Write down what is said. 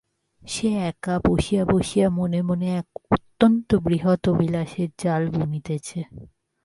সে একা বসিয়া বসিয়া মনে মনে এক অত্যন্ত বৃহৎ অভিলাষের জাল বুনিতেছে।